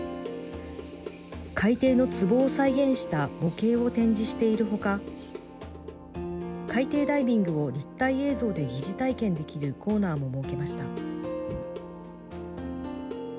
海底のつぼを再現した模型を展示しているほか海底ダイビングを立体映像で疑似体験できるコーナーも設けました。